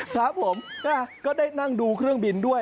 ครับผมก็ได้นั่งดูเครื่องบินด้วย